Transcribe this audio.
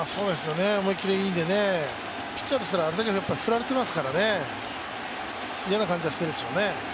思い切りがいいんで、ピッチャーとしたら、あれだけ振られていますから嫌な感じはしているでしょうね。